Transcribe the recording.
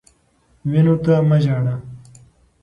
وینو ته مه ژاړه.